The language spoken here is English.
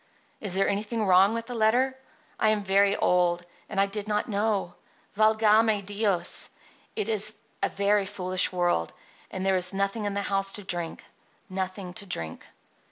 Is there anything wrong in the letter? I am very old; and I did not know. Valgame Dios! it is a very foolish world; and there is nothing in the house to drink— nothing to drink."